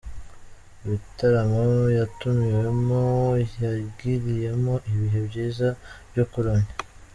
Ibitaramo yatumiwemo yagiriyemo ibihe byiza byo kuramya.